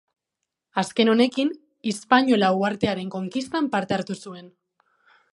Azken honekin, Hispaniola uhartearen konkistan parte hartu zuen.